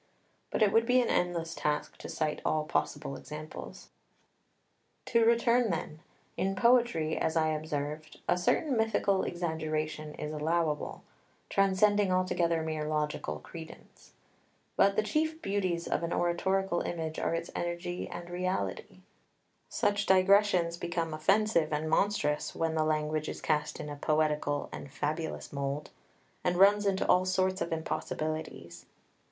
But it would be an endless task to cite all possible examples. [Footnote 11: Oed. Col. 1586.] [Footnote 12: In his lost "Polyxena."] 8 To return, then, in poetry, as I observed, a certain mythical exaggeration is allowable, transcending altogether mere logical credence. But the chief beauties of an oratorical image are its energy and reality. Such digressions become offensive and monstrous when the language is cast in a poetical and fabulous mould, and runs into all sorts of impossibilities.